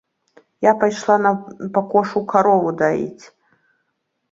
Я пайшла на пакошу карову даіць.